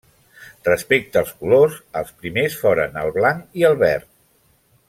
Respecte als colors, els primers foren el blanc i el verd.